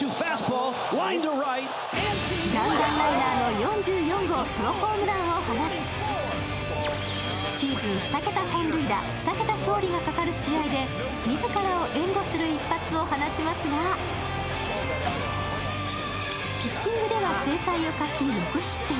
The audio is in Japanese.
弾丸ライナーの４４号ソロホームランを放ち、シーズン２桁本塁打・２桁勝利がかかる試合で自らを援護する一発を放ちますが、ピッチングでは精彩を欠き６失点。